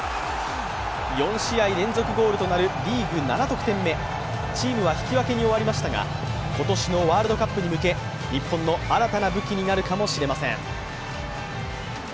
４試合連続ゴールとなるリーグ７得点目、チームは引き分けに終わりましたが今年のワールドカップに向け、日本の新たな武器になるかもしれません。